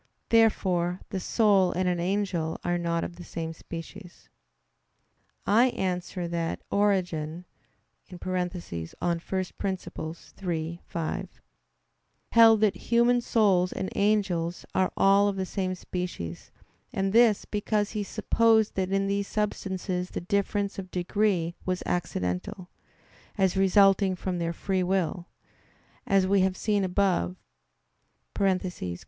Therefore the soul and an angel are not of the same species. I answer that, Origen (Peri Archon iii, 5) held that human souls and angels are all of the same species; and this because he supposed that in these substances the difference of degree was accidental, as resulting from their free will: as we have seen above (Q.